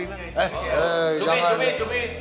eh eh eh jangan teh